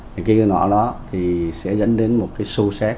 cái nọ đó thì sẽ dẫn đến một cái xô xét